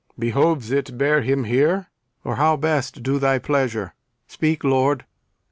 Behoves it bear him here, or how Best do thy pleasure? Speak, Lord.